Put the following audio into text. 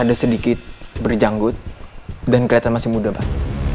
ada sedikit berjanggut dan kelihatan masih muda pak